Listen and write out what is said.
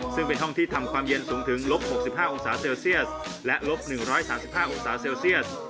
ซึ่งเป็นห้องที่ทำความเย็นสูงถึงลบ๖๕องศาเซลเซียสและลบ๑๓๕องศาเซลเซียส